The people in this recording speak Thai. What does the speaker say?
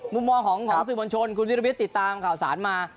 มุมมองของสื่อมวลชนคุณวิรวิทย์ติดตามข่าวสารมา